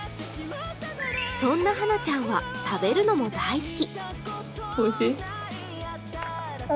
そんなはなちゃんは食べるのも大好き。